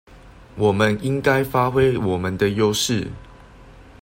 我們應該發揮我們的優勢